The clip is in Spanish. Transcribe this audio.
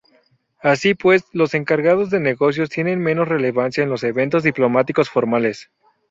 Así pues, los encargados de negocios tienen menos relevancia en los eventos diplomáticos formales.